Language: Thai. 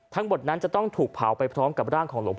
ทั้งหมดนั้นจะต้องถูกเผาไปพร้อมกับร่างของหลวงพ่อ